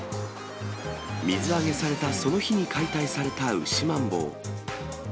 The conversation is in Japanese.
水揚げされたその日に解体されたウシマンボウ。